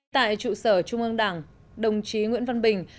tại trụ sở trung ương đảng đồng chí nguyễn văn bình